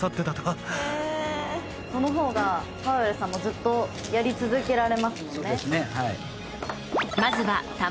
このほうがパウエルさんもずっとやり続けられますもんね